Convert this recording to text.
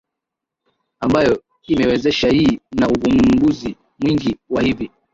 ambayo imewezesha hii na uvumbuzi mwingine wa hivi